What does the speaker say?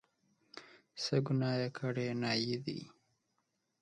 څه ګناه یې کړې، نایي دی.